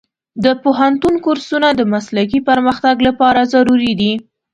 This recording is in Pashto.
د پوهنتون کورسونه د مسلکي پرمختګ لپاره ضروري دي.